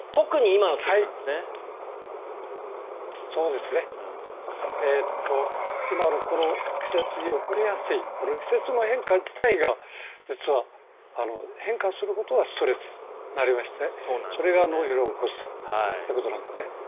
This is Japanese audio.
今のこの季節に起こりやすいこの季節の変化自体が実は変化することがストレスになりましてそれが脳疲労を起こすということなんです。